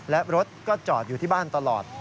และรถก็จอดอยู่ที่บ้านตลอด